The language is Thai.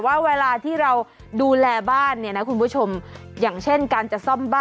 นะฮะเหมือนบ้านเนี้ยฮะชีวิตเปลี่ยนเลยแล้วฮะ